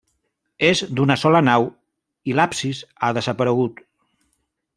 És d'una sola nau i l'absis ha desaparegut.